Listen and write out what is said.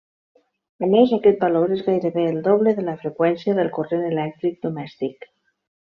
A més aquest valor és gairebé el doble de la freqüència del corrent elèctric domèstic.